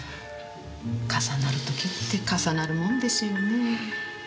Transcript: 重なる時って重なるもんですよね。